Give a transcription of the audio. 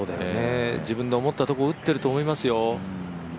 自分で思ったところ打ったと思いますよ。